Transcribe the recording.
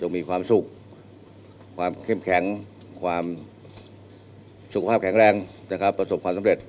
มีความสุขความเข้มแข็งความสุขภาพแข็งแรงนะครับประสบความสำเร็จ